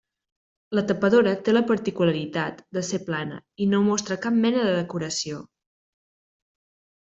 La tapadora té la particularitat de ser plana i no mostra cap mena de decoració.